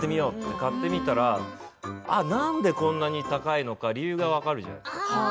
買ってみたらなんでこんなに高いのか理由が分かるじゃないですか。